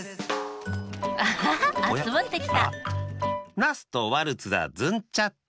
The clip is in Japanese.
ナスとワルツだズンチャッチャ。